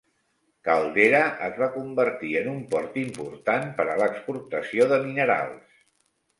Caldera es va convertir en un port important per a l'exportació de minerals.